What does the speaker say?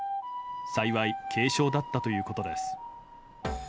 幸い軽症だったということです。